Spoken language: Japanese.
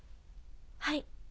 はい。